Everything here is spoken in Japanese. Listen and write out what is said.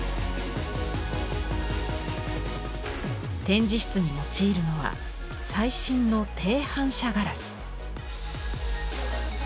展示室に用いるのは最新の低反射ガラス。